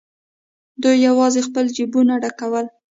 دوی یوازې خپل جېبونه ډکول.